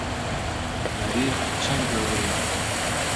مەریخ چەند گەورەیە؟